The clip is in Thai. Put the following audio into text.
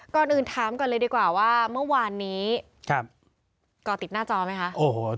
ก่อนอื่นถามก่อนเลยดีกว่าว่าเมื่อวานนี้ก่อติดหน้าจอไหมคะ